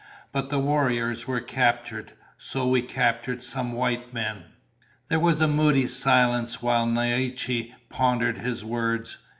But the warriors were captured. So we captured some white men." There was a moody silence while Naiche pondered his words.